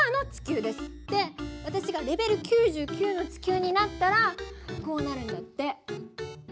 でわたしがレベル９９の地球になったらこうなるんだって。